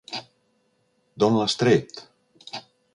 D'on l'has tret?